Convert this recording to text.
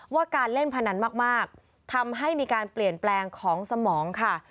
ว่าการเล่นพนันมากทำให้มีการเปลี่ยนแปลงของสมองค่ะ